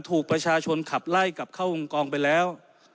ถูกประชาชนขับไล่กลับเข้าวงกองไปแล้ว